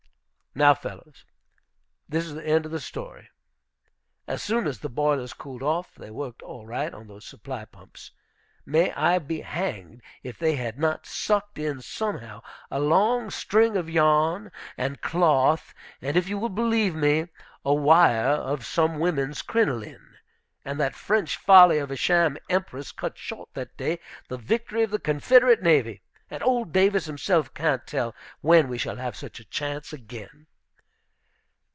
"Now, fellows, this is the end of the story. As soon as the boilers cooled off they worked all right on those supply pumps. May I be hanged if they had not sucked in, somehow, a long string of yarn, and cloth, and, if you will believe me, a wire of some woman's crinoline. And that French folly of a sham Empress cut short that day the victory of the Confederate navy, and old Davis himself can't tell when we shall have such a chance again!"